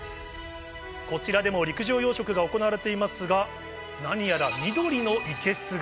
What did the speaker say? こちらでも陸上養殖が行われていますが、なにやら緑のいけすが。